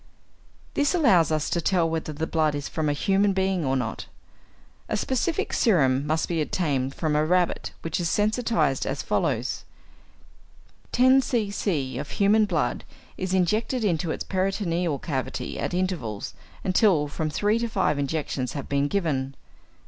= This allows us to tell whether the blood is from a human being or not. A specific serum must be obtained from a rabbit which is sensitized as follows: 10 c.c. of human blood is injected into its peritoneal cavity at intervals, until from three to five injections have been given.